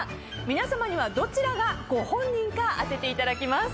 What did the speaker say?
皆さまにはどちらがご本人か当てていただきます。